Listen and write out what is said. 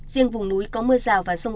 riêng vùng núi có mưa rào và sông